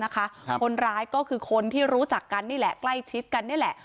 คนร้ายก็คือคนที่รู้จักกันนี่แหละใกล้ชิดกันนี่แหละ